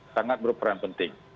sangat berperan penting